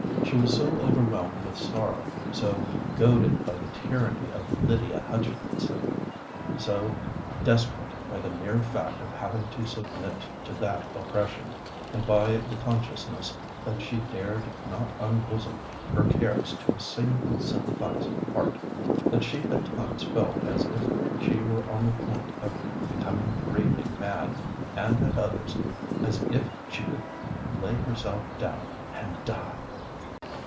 She was so overwhelmed with sorrow—so goaded by the tyranny of Lydia Hutchinson—so desperate by the mere fact of having to submit to that oppression, and by the consciousness that she dared not unbosom her cares to a single sympathising heart,—that she at times felt as if she were on the point of becoming raving mad, and at others as if she could lay herself down and die!